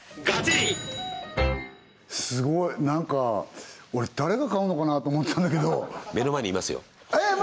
すごいなんか俺誰が買うのかなと思ってたんだけど目の前にいますよえ